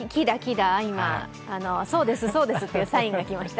そうです、そうですというサインが来ました。